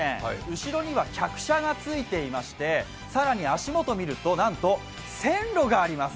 後ろには客車がついていまして、更に足元を見ると、なんと線路があります。